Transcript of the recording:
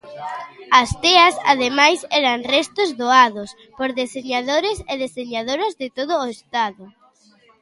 As teas, ademais, eran restos doados por deseñadores e deseñadoras de todo o Estado.